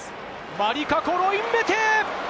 マリカ・コロインベテ！